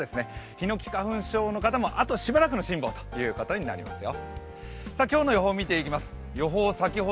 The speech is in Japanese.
ヒノキ花粉症の方もあとしばらくの辛抱ということになりますよ。